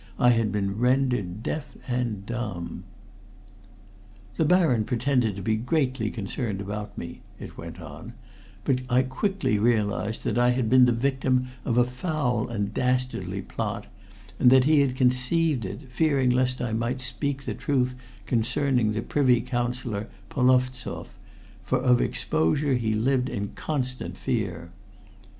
I had been rendered deaf and dumb! "The Baron pretended to be greatly concerned about me," it went on, "but I quickly realized that I had been the victim of a foul and dastardly plot, and that he had conceived it, fearing lest I might speak the truth concerning the Privy Councillor Polovstoff, for of exposure he lived in constant fear.